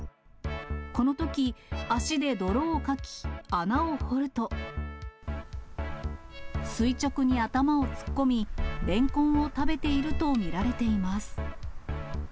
このとき、足で泥をかき、穴を掘ると、垂直に頭を突っ込み、レンコンを食べていると見られています。